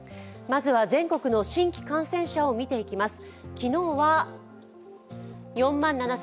まずは全国の新規感染者を見ていきます。